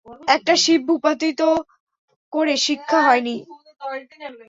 একটা শিপ ভূপাতিত করে শিক্ষা হয়নি?